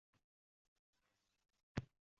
Plashni olib oling